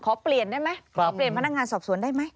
ขอเปลี่ยนได้ไหมขอเปลี่ยนพนักงานสอบสวนได้ไหม